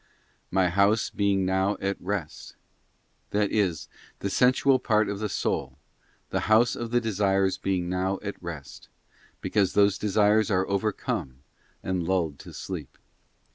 —: 'My house being now at rest,' that is, the sensual part of the soul, the house of the desires being now at rest, because those desires are overcome and lulled to sleep.